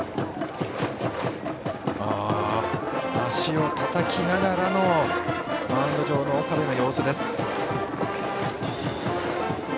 足をたたきながらのマウンド上の岡部の様子。